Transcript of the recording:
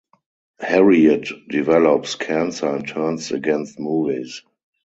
Harriet develops cancer and turns against movies.